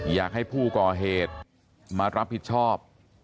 อยากให้ผู้ก่อเหตุมารับผิดชอบ